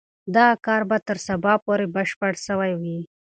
دغه کار به تر سبا پورې بشپړ سوی وي.